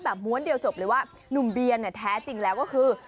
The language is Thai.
ม้วนเดียวจบเลยว่าหนุ่มเบียร์เนี่ยแท้จริงแล้วก็คือ